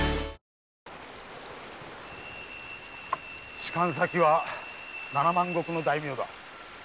仕官先は七万石の大名だ。